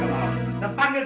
panggil senyawa penjaga malam